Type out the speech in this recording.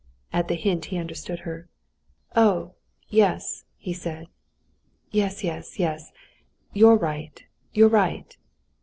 At the hint he understood her. "Oh, yes," he said. "Yes, yes, yes—you're right; you're right!"